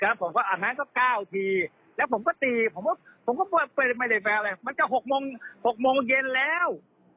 อันนั้นก็๙ทีแล้วผมก็ตีไม่ได้แฟร์อะไรมันก็๖โมงเย็นแล้ว